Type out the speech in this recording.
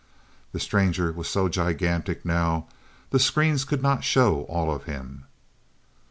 The stranger was so gigantic now, the screens could not show all of him.